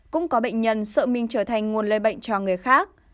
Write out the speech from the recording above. cũng có bệnh nhân sợ mình trở thành nguồn lây bệnh cho người khác